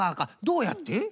どうやって？